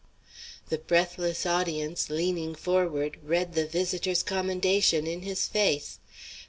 The breathless audience, leaning forward, read the visitor's commendation in his face.